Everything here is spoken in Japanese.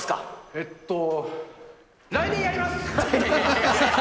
えっと、来年やります！